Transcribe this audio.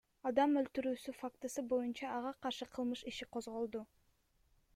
Адам өлтүрүү фактысы боюнча ага каршы кылмыш иши козголду.